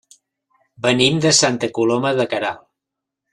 Venim de Santa Coloma de Queralt.